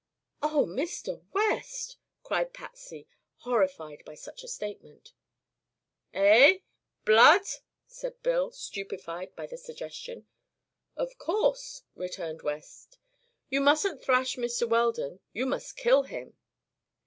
"Oh, Mr. West!" cried Patsy, horrified by such a statement. "Eh? Blood?" said Bill, stupefied by the suggestion. "Of course," returned West. "You mustn't thrash Mr. Weldon; you must kill him."